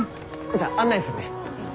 じゃあ案内するね。